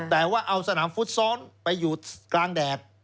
แต่ว่าเอาสนามฟุตซ้อนไปอยู่กลางแดด